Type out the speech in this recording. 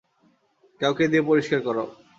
কাউকে দিয়ে পরিষ্কার করাও।